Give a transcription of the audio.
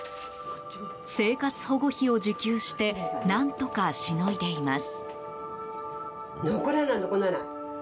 生活保護費を受給して何とか、しのいでいます。